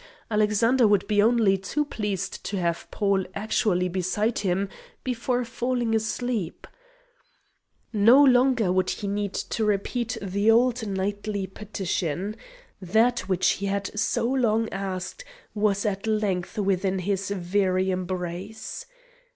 Alexander would be only too pleased to have Paul actually beside him before falling asleep. No longer would he need to repeat the old nightly petition. That which he had so long asked was at length within his very embrace.